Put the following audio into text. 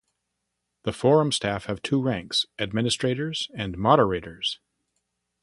The Forum Staff have two ranks, administrators and moderators.